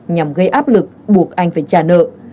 nhằm gây áp lực buộc anh phải trả nợ